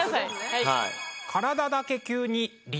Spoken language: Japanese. はい。